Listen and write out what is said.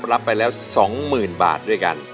รับไปแล้ว๒๐๐๐บาทด้วยกัน